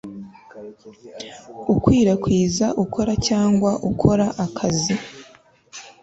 ukwirakwiza ukora cyangwa ukora akazi